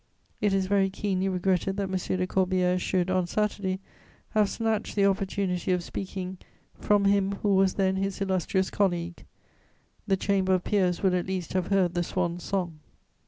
It is very keenly regretted that M. de Corbière should, on Saturday, have snatched the opportunity of speaking from him who was then his illustrious colleague. The Chamber of Peers would at least have heard the swan's song.